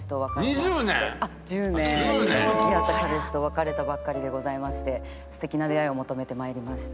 １０年付き合った彼氏と別れたばっかりでございまして素敵な出会いを求めて参りました。